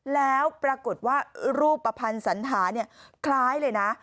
แล้วปรากฏว่ารูปปะพันศรรษณฐานเนี่ยคล้ายเลยนะ